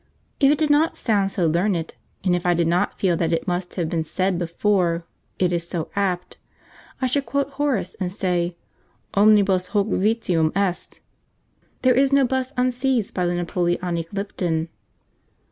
If it did not sound so learned, and if I did not feel that it must have been said before, it is so apt, I should quote Horace, and say, 'Omnibus hoc vitium est.' There is no 'bus unseized by the Napoleonic Lipton.